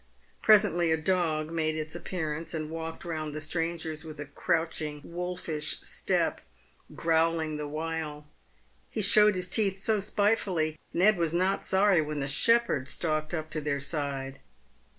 Presently a dog made its appearance, and walked round the strangers with a crouching, wolfish step, growling the while. He showed his teeth so spitefully, Ned was not sorry when the shepherd stalked up to their side.